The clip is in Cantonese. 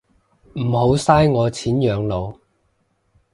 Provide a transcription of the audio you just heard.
唔好嘥我錢養老